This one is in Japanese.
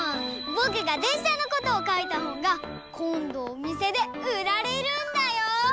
ぼくがでんしゃのことをかいたほんがこんどおみせでうられるんだよ！